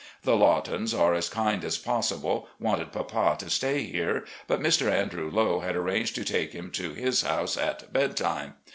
The Lawtons are as kind as possible, wanted papa to stay here, but Mr. Andrew Lowe had arranged to take him to his house at bed time.